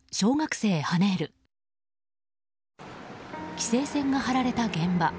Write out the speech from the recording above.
規制線が張られた現場。